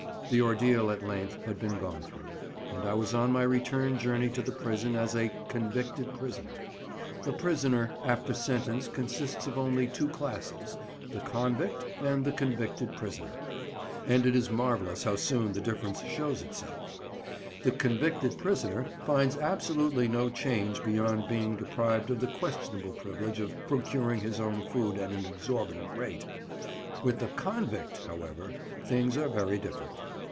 The ordeal at length had been gone through, and I was on my return journey to the prison as a "convicted prisoner." A prisoner after sentence consists of only two classes, the "convict" and the "convicted prisoner," and it is marvellous how soon the difference shows itself. The "convicted prisoner" finds absolutely no change beyond being deprived of the questionable privilege of procuring his own food at an exorbitant rate. With the "convict," however, things are very different.